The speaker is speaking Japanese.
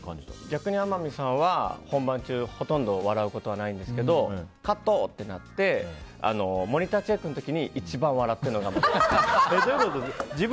逆に天海さんは本番中ほとんど笑うことはないんですけどカット！ってなってモニターチェックの時に一番笑っているのが天海さん。